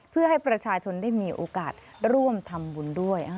เพื่อให้ประชาชนได้มีโอกาสร่วมทำบุญด้วย